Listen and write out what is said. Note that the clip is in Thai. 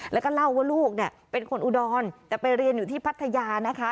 แล้วก็เล่าว่าลูกเนี่ยเป็นคนอุดรแต่ไปเรียนอยู่ที่พัทยานะคะ